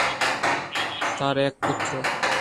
তার এক পুত্র।